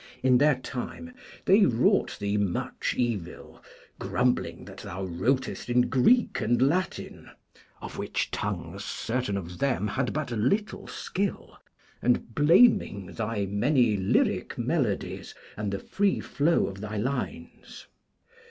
In their time they wrought thee much evil, grumbling that thou wrotest in Greek and Latin (of which tongues certain of them had but little skill), and blaming thy many lyric melodies and the free flow of thy lines.